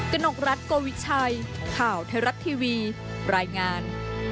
กนกรัฐโกวิชัยข่าวไทยรัฐทีวีรายงาน